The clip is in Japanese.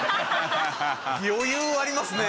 余裕ありますね！